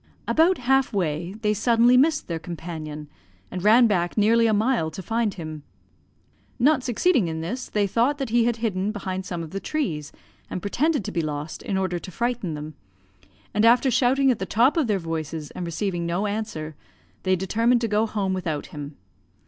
"About halfway they suddenly missed their companion, and ran back nearly a mile to find him. Not succeeding in this, they thought that he had hidden behind some of the trees, and pretended to be lost, in order to frighten them, and after shouting at the top of their voices, and receiving no answer, they determined to go home without him.